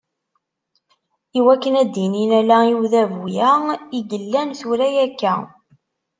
Iwakken ad d-inin ala i udabu-a i yellan tura akka.